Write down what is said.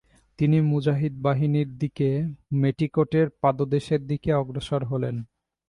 তিনি মুজাহিদ বাহিনী নিয়ে মেটিকোটের পাদদেশের দিকে অগ্রসর হলেন।